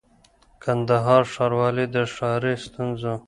کندهار ښاروالۍ د ښاري ستونزو